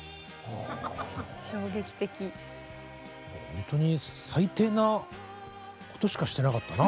ほんとに最低なことしかしてなかったな。